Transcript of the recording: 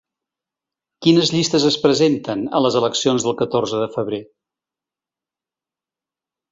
Quines llistes es presenten a les eleccions del catorze de febrer?